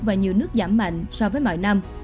và nhiều nước giảm mạnh so với mọi năm